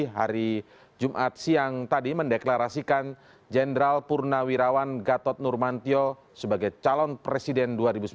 hari jumat siang tadi mendeklarasikan jenderal purnawirawan gatot nurmantio sebagai calon presiden dua ribu sembilan belas